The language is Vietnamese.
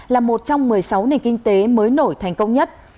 là một trong một mươi sáu nền kinh tế mới nổi thành công nhất